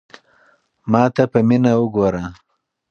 ما ته په مینه وگوره.